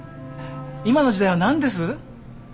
今の時代は何です？